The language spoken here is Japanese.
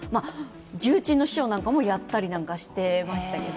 重鎮の師匠なんかもやったりなんかしていましたけど。